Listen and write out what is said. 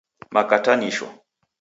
Makatanisho